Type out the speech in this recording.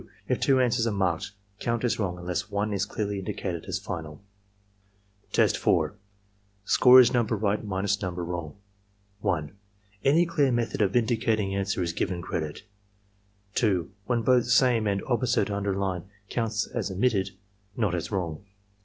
If two answers are marked, count as wrong unless one is clearly indicated as final Test 4 (Score is number right minus number wrong.) 1. Any clear method of indicating answer is given credit. 2. When both "Same and "Opposite" are underlined, counts as omittedf not as wrong.